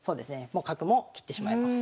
もう角も切ってしまいます。